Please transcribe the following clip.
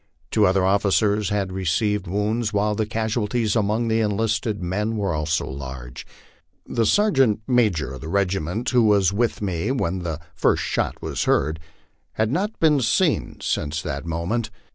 Two other officers had received wounds, while the casualties among the enlisted men were also large. The sergeant major of the regiment, who waa with me when the first shot was heard, had not been seen since that moment.